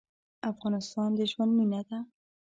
افغانستان د ژوند مېنه ده.